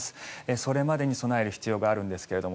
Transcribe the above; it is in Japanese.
それまでに備える必要があるんですけれども。